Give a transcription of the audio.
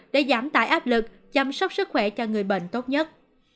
để giảm tải áp lực chăm sóc sức khỏe cho người bệnh tốt nhất